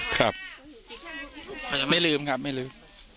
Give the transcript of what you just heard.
ครับยังไม่ลืมครับไม่ลืม